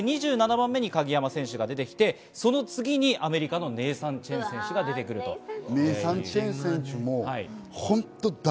２７番目に鍵山選手が出てきて、その次にアメリカのネイサン・チェン選手が出てきます。